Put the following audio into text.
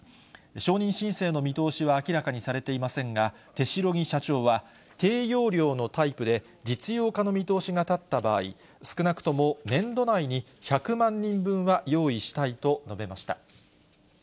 承認申請の見通しは明らかにされていませんが、手代木社長は、低用量のタイプで実用化の見通しが立った場合、少なくとも年度内に１００万人分は用意したいと述べました。